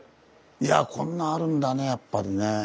いやぁこんなあるんだねやっぱりね。